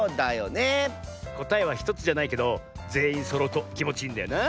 こたえは１つじゃないけどぜんいんそろうときもちいいんだよな。